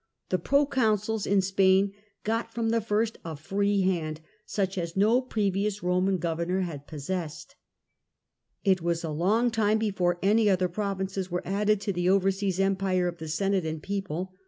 The pro consuls in Spain got from the first a free hand such as no previous Roman governor had possessed. It was a long time before any other provinces were added to the over seas empire of the Senate and People.